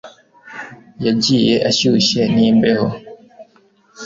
Yagiye ashyushye nimbeho